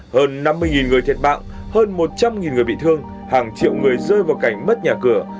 hơn năm mươi người thiệt bạc hơn một trăm linh người bị thương hàng triệu người rơi vào cảnh mất nhà cửa